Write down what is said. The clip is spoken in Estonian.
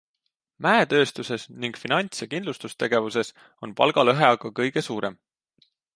Mäetööstuses ning finants- ja kindlustustegevuses on palgalõhe aga kõige suurem.